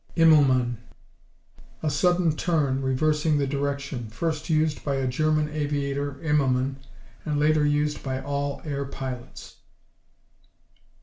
Immelmann A sudden turn, reversing the direction. First used by a German aviator, Immelmann, and later used by all air pilots.